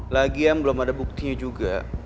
lagian belum ada buktinya juga